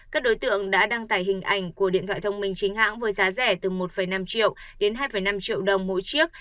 các đối tượng đã đăng tải hình ảnh của điện thoại thông minh chính hãng với giá rẻ từ một năm triệu đến hai năm triệu đồng mỗi chiếc